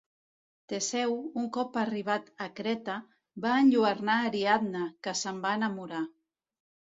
Teseu, un cop arribat a Creta, va enlluernar Ariadna, que se'n va enamorar.